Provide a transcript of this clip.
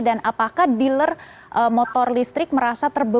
dan apakah dealer motor listrik merasa terbebuk